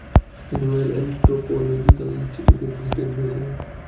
তিনি royal anthropological ইনস্টিটিউটের president হয়েছিলেন।